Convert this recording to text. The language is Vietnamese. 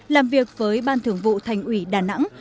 làm việc với ban thường vụ thành ủy đà nẵng